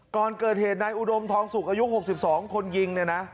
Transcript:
ก่อนเกิดเหตุนายอุดมทองสุกอายุ๖๒คนยิงเนี่ยนะ